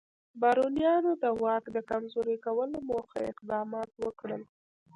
بارونیانو د واک د کمزوري کولو موخه اقدامات وکړل.